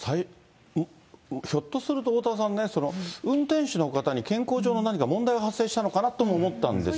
ひょっとするとおおたわさんね、運転手の方に健康上の何か問題が発生したのかなとも思ったんです